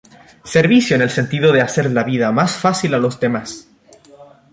Servicio en el sentido de hacer la vida más fácil a los demás.